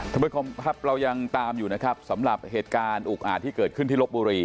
ท่านผู้ชมครับเรายังตามอยู่นะครับสำหรับเหตุการณ์อุกอาจที่เกิดขึ้นที่ลบบุรี